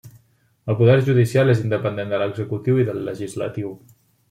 El poder judicial és independent de l'executiu i del legislatiu.